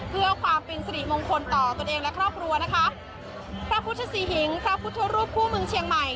เพื่อความเป็นสิริมงคลต่อตนเองและครอบครัวนะคะพระพุทธศรีหิงพระพุทธรูปคู่เมืองเชียงใหม่